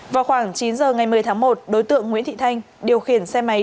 vào khoảng chín giờ ngày một mươi tháng một đối tượng nguyễn thị thanh điều khiển xe máy